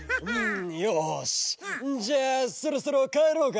・んよしじゃあそろそろかえろうか！